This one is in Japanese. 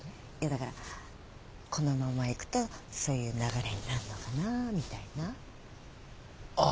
だからこのままいくとそういう流れになんのかなみたいな。ああ。